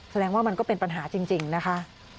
แสดงว่ามันก็เป็นปัญหาจริงนะคะ